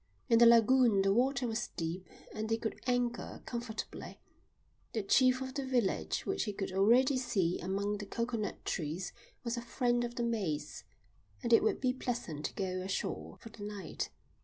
In the lagoon the water was deep and they could anchor comfortably. The chief of the village which he could already see among the coconut trees was a friend of the mate's, and it would be pleasant to go ashore for the night.